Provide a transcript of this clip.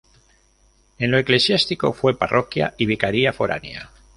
En lo eclesiástico fue parroquia y vicaría foránea.